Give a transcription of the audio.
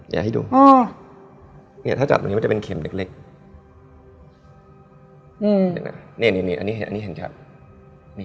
เยอะอย่างนั้น